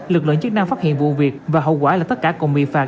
lực lượng chức năng phát hiện vụ việc và hậu quả là tất cả cùng bị phạt